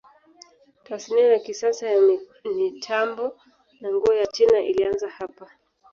Tasnia ya kisasa ya mitambo na nguo ya China ilianza hapa.